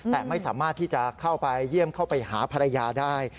แต่ไม่สามารถที่จะเข้าไปเยี่ยมเข้าไปหาภรรยาได้